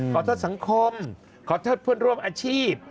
ขอโทษสังคมขอโทษเพื่อนร่วมอาชีพ